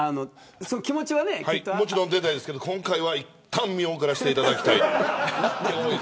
もちろん出たいですけど今回はいったん見送らせていただきたい。